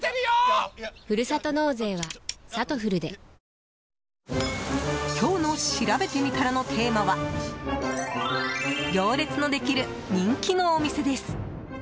帰れば「金麦」今日のしらべてみたらのテーマは行列のできる人気のお店です。